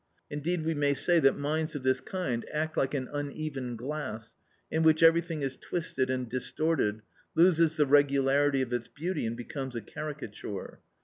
Indeed we may say that minds of this kind act like an uneven glass, in which everything is twisted and distorted, loses the regularity of its beauty, and becomes a caricature.